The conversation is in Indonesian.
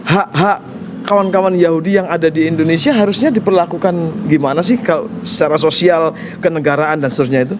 hak hak kawan kawan yahudi yang ada di indonesia harusnya diperlakukan gimana sih secara sosial kenegaraan dan seterusnya itu